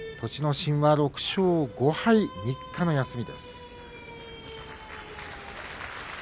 心は６勝５敗３日の休み。